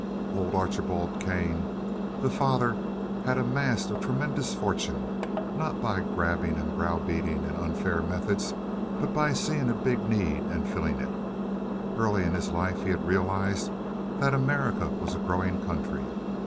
Old Archibald Kane, the father, had amassed a tremendous fortune, not by grabbing and brow beating and unfair methods, but by seeing a big need and filling it. Early in life he had realized that America was a growing country.